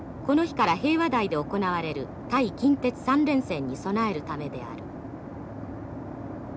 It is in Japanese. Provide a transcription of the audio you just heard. この日から平和台で行われる対近鉄３連戦に備えるためである。